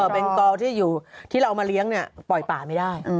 เป็นกอที่เรามาเลี้ยงปล่อยป่าไม่ได้